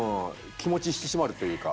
気持ち引き締まるというか。